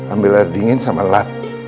ambil air dingin sama lat